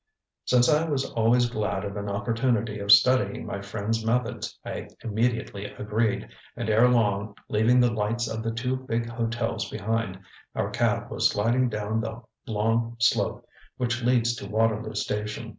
ŌĆØ Since I was always glad of an opportunity of studying my friend's methods I immediately agreed, and ere long, leaving the lights of the two big hotels behind, our cab was gliding down the long slope which leads to Waterloo Station.